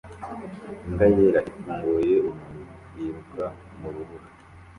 Imbwa yera ifunguye umunwa yiruka mu rubura